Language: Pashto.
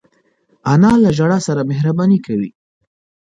انا له ژړا سره مهربانې کوي